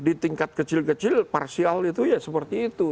di tingkat kecil kecil parsial itu ya seperti itu